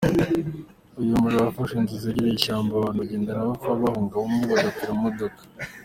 Uyu muriro wafashe inzu zegereye ishyamba, abantu bagenda bapfa bahunga, bamwe bagapfira mu modoka.